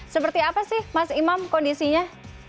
seperti apa sih mas imam kondisinya